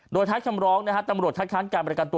โดยทักชำร้องตำรวจทักทั้งการบริการตัว